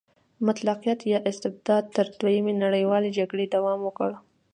مطلقیت یا استبداد تر دویمې نړیوالې جګړې دوام وکړ.